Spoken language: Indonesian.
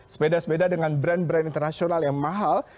sepeda sepeda dengan brand brand internasional yang mahal